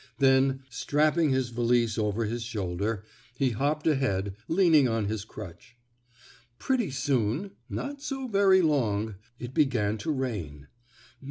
Then, strapping his valise over his shoulder, he hopped ahead, leaning on his crutch. Pretty soon, not so very long, it began to rain.